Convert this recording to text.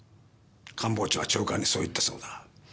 官房長は長官にそう言ったそうだ。